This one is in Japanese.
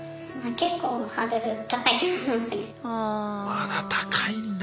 まだ高いんだ。